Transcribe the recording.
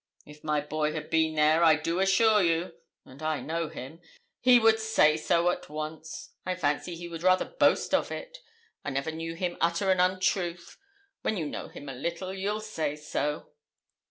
'If my boy had been there, I do assure you and I know him he would say so at once. I fancy he would rather boast of it. I never knew him utter an untruth. When you know him a little you'll say so.'